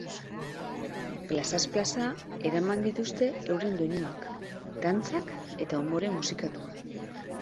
Plazaz plaza eraman dituzte euren doinuak, dantzak eta umore musikatua.